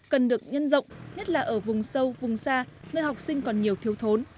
cần được nhân rộng nhất là ở vùng sâu vùng xa nơi học sinh còn nhiều thiếu thốn